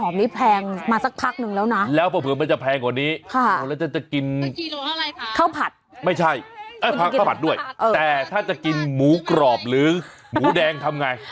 มัดด้วยแต่ถ้าจะกินหมูกรอบหรือหมูแดงทำไง